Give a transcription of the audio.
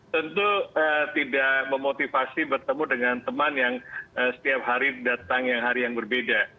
tentu tidak memotivasi bertemu dengan teman yang setiap hari datang yang hari yang berbeda